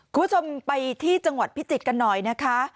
คุณผู้ชมไปที่จังหวัดพิจิตรกันหน่อยนะคะ